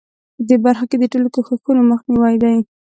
په دې برخه کې د ټولو کوښښونو مخنیوی دی.